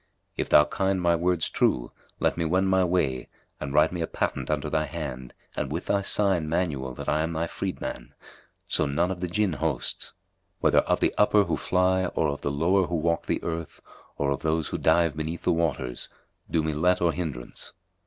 If thou kind my words true, let me wend my way and write me a patent under thy hand and with thy sign manual that I am thy freedman, so none of the Jinn hosts, whether of the upper who fly or of the lower who walk the earth or of those who dive beneath the waters, do me let or hindrance."